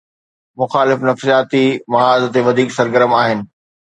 مخالف نفسياتي محاذ تي وڌيڪ سرگرم آهن.